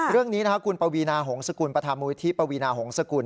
เรื่องนี้คุณปวีนาหงษกุลประธานมูลิธิปวีนาหงษกุล